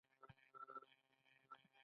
هغه د خدای حمد او ثنا ویله.